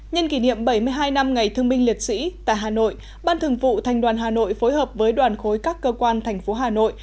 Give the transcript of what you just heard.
nhân kỷ niệm bảy mươi hai năm ngày thương binh liệt sĩ tại hà nội ban thường vụ thành đoàn hà nội phối hợp với đoàn khối các cơ quan thành phố hà nội